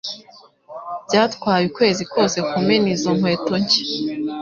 Byatwaye ukwezi kose kumena izo nkweto nshya